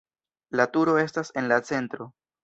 La turo estas en la centro.